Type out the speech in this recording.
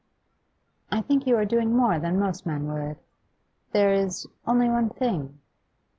'I think you are doing more than most men would. There is only one thing.